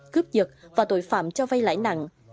cướp dựt và tội phạm cho vay lãi nặng